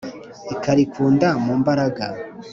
ikarikunda mu mbaraga